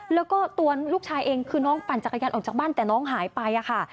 แล้วก็ตัวลูกชายเองคือน้องปั่นจักรยานออกจากบ้านแต่น้องหายไปค่ะ